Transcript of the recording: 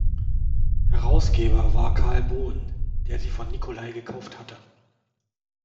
Herausgeber war Carl Bohn, der sie von Nicolai gekauft hatte.